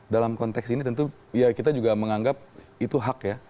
dalam konteks ini tentu ya kita juga menganggap itu hak ya